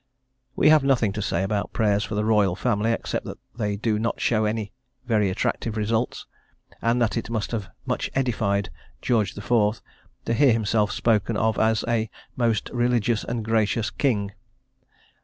We have nothing to say about the prayers for the Royal Family, except that they do not show any very attractive results, and that it must have much edified George IV. to hear himself spoken of as a "most religious and gracious king."